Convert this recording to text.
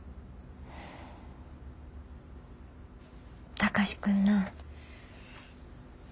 貴司君な。